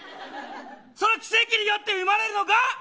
その奇跡によって生まれるのが。